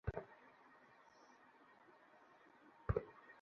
আমার কার্ড চুরি হয়নি।